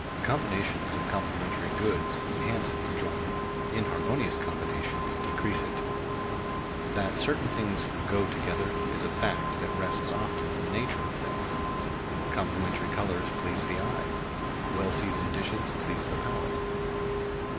Combinations of complementary goods enhance the enjoyment; inharmonious combinations decrease it. That certain things "go together" is a fact that rests often in the nature of things. Complementary colors please the eye; well seasoned dishes please the palate.